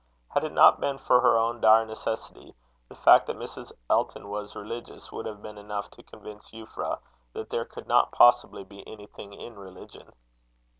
Had it not been for her own dire necessity, the fact that Mrs. Elton was religious would have been enough to convince Euphra that there could not possibly be anything in religion.